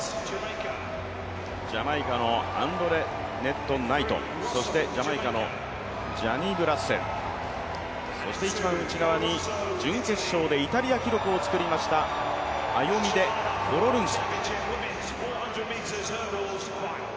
ジャマイカのアンドレネット・ナイト、そしてジャマイカのジャニーブ・ラッセルそして一番内側に準決勝でイタリア記録を作りましたアヨミデ・フォロルンソ。